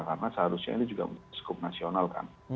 karena seharusnya ini juga sekup nasional kan